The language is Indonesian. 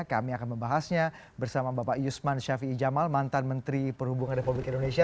kami akan membahasnya bersama bapak yusman syafi'i jamal mantan menteri perhubungan republik indonesia